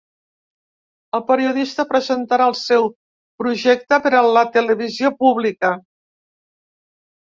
El periodista presentarà el seu projecte per a la televisió pública.